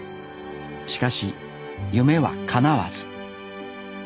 しかし夢はかなわず。